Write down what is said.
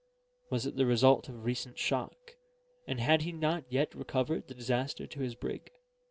Was it the result of recent shock, and had he not yet recovered the disaster to his brig?